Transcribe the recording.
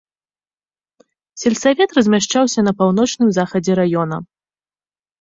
Сельсавет размяшчаўся на паўночным захадзе раёна.